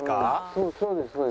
そうですね。